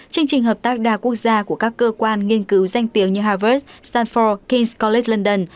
chương trình hợp tác đa quốc gia của các cơ quan nghiên cứu danh tiếng như harvard stanford king s college london